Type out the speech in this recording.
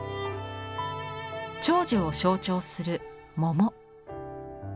長寿を象徴する桃。